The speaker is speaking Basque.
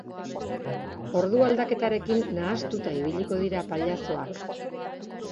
Ordu aldaketarekin nahastuta ibiliko dira pailazoak.